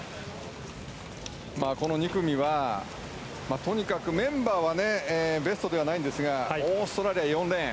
この２組はとにかくメンバーはベストではないんですがオーストラリア、４レーン。